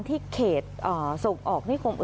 ที่เขตนิคกรมอุตสาหากรรมปะปู